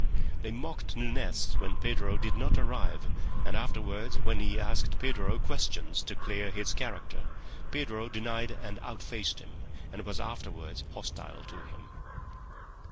They mocked Nunez when Pedro did not arrive, and afterwards, when he asked Pedro questions to clear his character, Pedro denied and outfaced him, and was afterwards hostile to him.